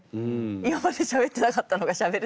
今までしゃべってなかったのがしゃべるっていうのが。